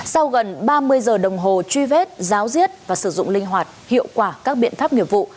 sau gần ba mươi giờ đồng hồ truy vết giáo diết và sử dụng linh hoạt hiệu quả các biện pháp nghiệp vụ